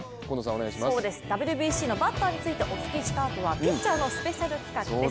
ＷＢＣのバッターについてお聞きしたあとは、ピッチャーのスペシャル企画です。